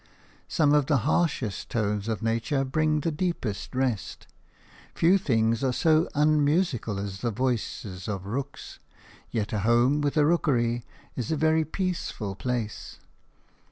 Some of the harshest tones of nature bring the deepest rest. Few things are so unmusical as the voices of rooks, yet a home with a rookery is a very peaceful place.